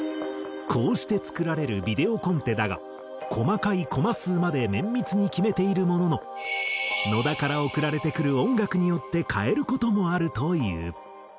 こうして作られるビデオコンテだが細かいコマ数まで綿密に決めているものの野田から送られてくる音楽によって変える事もあるという。